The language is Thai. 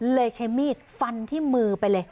ใช้มีดฟันที่มือไปเลย